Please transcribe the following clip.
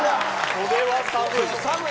これは寒い。